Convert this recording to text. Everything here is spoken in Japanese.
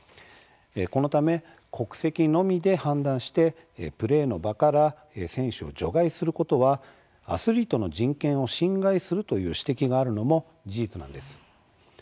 このため国籍のみで判断して、プレーの場から選手を除外することはアスリートの人権を侵害するという指摘があるのも事実なんです。